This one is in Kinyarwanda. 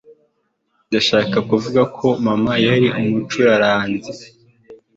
Ndashaka kuvuga ko mama yari Umucuraranzi